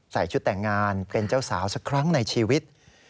ใส่ชุดแต่งงานเป็นเจ้าสาวสักครั้งในชีวิต